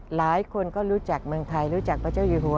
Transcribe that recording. หลายคนก็รู้จักเมืองไทยรู้จักพระเจ้าอยู่หัว